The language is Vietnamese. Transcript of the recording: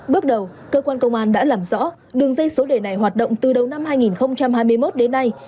bước đầu cơ quan công an đã làm rõ đường dây số đề này hoạt động từ đầu năm hai nghìn hai mươi một đến nay